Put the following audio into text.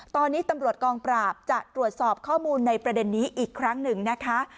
ตอนนี้ตำรวจกองปราบจะตรวจสอบข้อมูลในประเด็นนี้อีกครั้งหนึ่งนะคะ